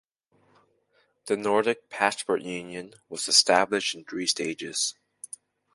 The Nordic Passport Union was established in three stages.